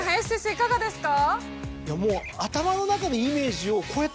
いかがですか？